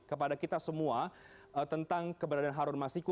kepada kita semua tentang keberadaan harun masiku